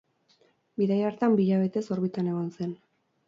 Bidai hartan, bi hilabetez orbitan egon zen.